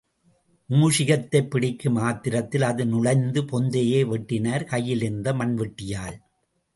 மூஷிகத்தைப் பிடிக்கும் ஆத்திரத்தில் அது நுழைந்த பொந்தையே வெட்டினர் கையிலிருந்த மண்வெட்டியால்.